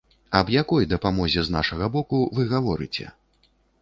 Аб якой дапамозе з нашага боку вы гаворыце?